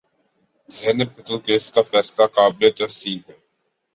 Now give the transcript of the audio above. زینب قتل کیس کا فیصلہ قابل تحسین ہے